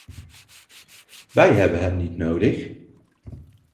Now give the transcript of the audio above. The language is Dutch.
Wij hebben hem niet nodig!